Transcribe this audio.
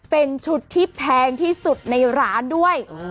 เป็นชุดที่แพงที่สุดในร้านด้วย